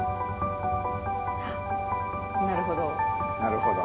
なるほど。